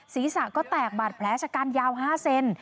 ศีรษะก็แตกบาดแผลชะกันยาว๕เซน